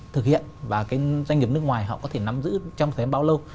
thực hiện và doanh nghiệp nước ngoài họ có thể nắm giữ trong thời gian bao lâu